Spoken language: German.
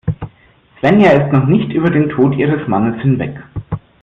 Svenja ist noch nicht über den Tod ihres Mannes hinweg.